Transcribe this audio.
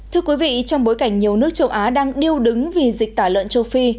thưa quý vị trong bối cảnh nhiều nước châu á đang điêu đứng vì dịch tả lợn châu phi